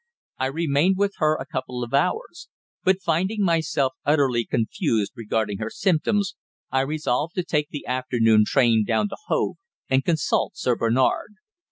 I remained with her a couple of hours; but finding myself utterly confused regarding her symptoms, I resolved to take the afternoon train down to Hove and consult Sir Bernard.